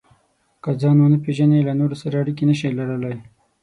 که ځان ونه پېژنئ، له نورو سره اړیکې نشئ لرلای.